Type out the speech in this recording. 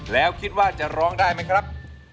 แล้วคิดว่าจะร้องได้ไหมครับ